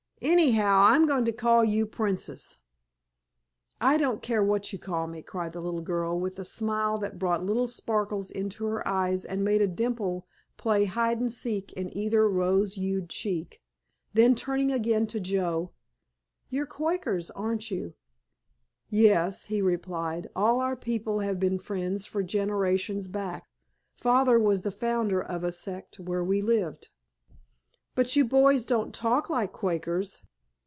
"Anyhow I'm going to call you 'Princess.'" "I don't care what you call me," cried the little girl, with a smile that brought little sparkles into her eyes and made a dimple play hide and seek in either rose hued cheek. Then turning again to Joe, "You're Quakers, aren't you?" "Yes," he replied, "all our people have been Friends for generations back. Father was the founder of a sect where we lived." "But you boys don't talk like Quakers!"